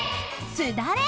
すだれ！